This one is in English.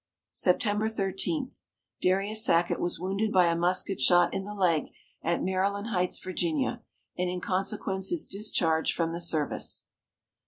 September 13. Darius Sackett was wounded by a musket shot in the leg, at Maryland Heights, Va., and in consequence is discharged from the service.